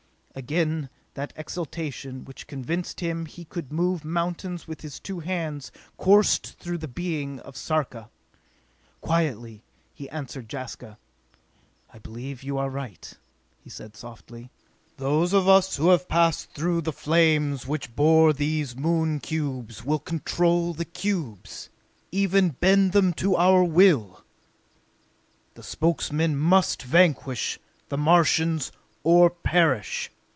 Again that exaltation, which convinced him he could move mountains with his two hands, coursed through the being of Sarka. Quietly be answered Jaska. "I believe you are right," he said softly. "Those of us who have passed through the flames which bore these Moon cubes will control the cubes, even bend them to our will. The Spokesmen must vanquish the Martians or perish!"